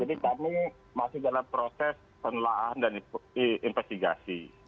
jadi kami masih dalam proses penelahan dan investigasi